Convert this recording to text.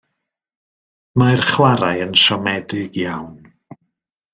Mae'r chwarae yn siomedig iawn.